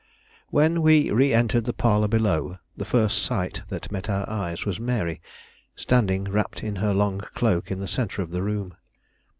When we re entered the parlor below, the first sight that met our eyes was Mary, standing wrapped in her long cloak in the centre of the room.